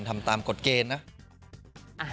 ทำตามกฎเกณฑ์นะ